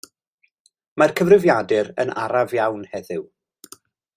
Mae'r cyfrifiadur yn araf iawn heddiw.